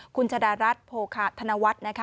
คุณชะดารัฐโภคะธนวัฒน์นะคะ